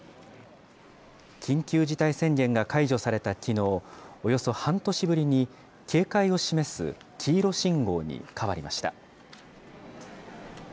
緊急事態宣言が解除されたきのう、およそ半年ぶりに、警戒を示す黄色信号に変わりました。